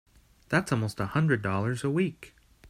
That's almost a hundred dollars a week!